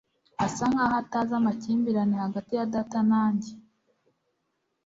asa nkaho atazi amakimbirane hagati ya data na njye